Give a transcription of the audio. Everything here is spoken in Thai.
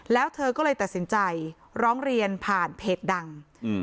แล้วเธอก็เลยตัดสินใจร้องเรียนผ่านเพจดัง